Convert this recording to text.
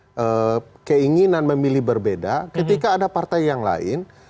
jadi kalau ada apa namanya keinginan memilih berbeda ketika ada partai yang lain